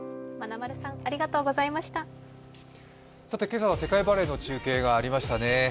今朝は世界バレーの中継がありましたね。